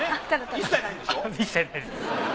一切ないです。